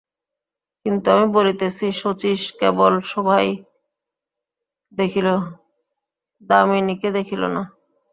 কিন্তু আমি বলিতেছি শচীশ কেবল শোভাই দেখিল, দামিনীকে দেখিল না।